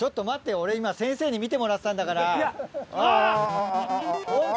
俺今先生に見てもらってたんだから。